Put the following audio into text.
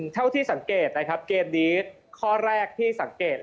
เท่าที่สังเกตนะครับเกมนี้ข้อแรกที่สังเกต